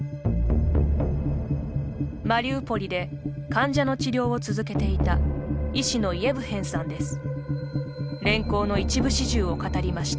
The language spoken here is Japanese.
マリウポリで患者の治療を続けていた医師のイエヴヘンさんです。